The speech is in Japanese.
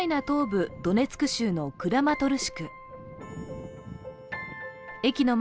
東部ドネツク州のクラマトルシク地区。